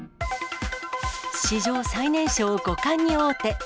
史上最年少、五冠に王手。